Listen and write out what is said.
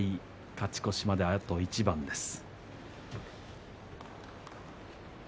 勝ち越しまであと一番です。